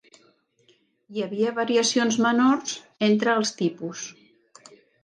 Hi havia variacions menors entre els tipus.